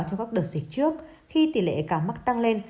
trong các đợt dịch trước khi tỷ lệ cả mắc tăng lên